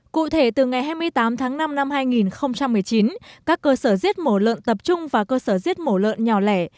cụ thể từ ngày hai mươi tám tháng năm năm hai nghìn một mươi chín các cơ sở giết mổ lợn tập trung và cơ sở giết mổ lợn nhỏ lẻ